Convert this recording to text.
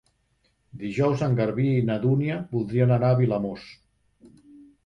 Dijous en Garbí i na Dúnia voldrien anar a Vilamòs.